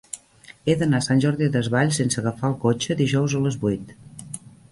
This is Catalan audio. He d'anar a Sant Jordi Desvalls sense agafar el cotxe dijous a les vuit.